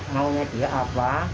maunya dia apa